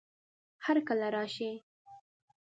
هرکله راشئ!